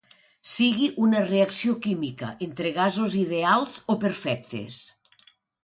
Sigui una reacció química entre gasos ideals o perfectes.